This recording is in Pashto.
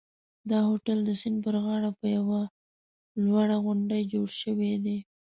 دا هوټل د سیند پر غاړه په یوه لوړه غونډۍ جوړ شوی دی.